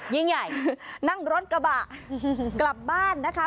ยิ่งใหญ่นั่งรถกระบะกลับบ้านนะคะ